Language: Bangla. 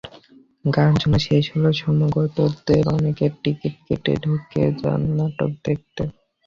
গান শোনা শেষ হলে সমাগতদের অনেকেই টিকিট কেটে ঢুকে যান নাটক দেখতে।